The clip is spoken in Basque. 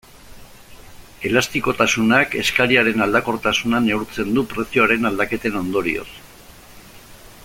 Elastikotasunak eskariaren aldakortasuna neurtzen du prezioaren aldaketen ondorioz.